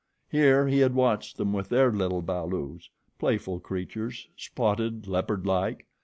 Here he had watched them with their little balus playful creatures, spotted leopard like.